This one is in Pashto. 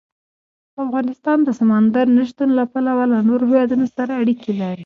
افغانستان د سمندر نه شتون له پلوه له نورو هېوادونو سره اړیکې لري.